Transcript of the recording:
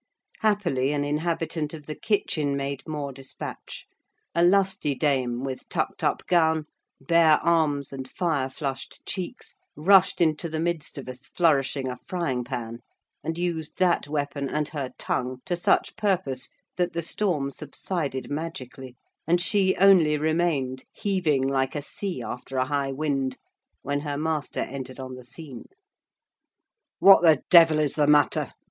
Happily, an inhabitant of the kitchen made more dispatch; a lusty dame, with tucked up gown, bare arms, and fire flushed cheeks, rushed into the midst of us flourishing a frying pan: and used that weapon, and her tongue, to such purpose, that the storm subsided magically, and she only remained, heaving like a sea after a high wind, when her master entered on the scene. "What the devil is the matter?"